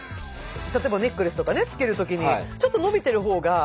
例えばネックレスとかねつける時にちょと伸びてる方が楽。